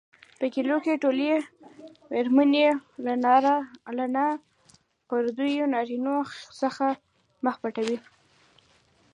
په کلیو کې ټولې مېرمنې له نا پردیو نارینوو څخه مخ پټوي.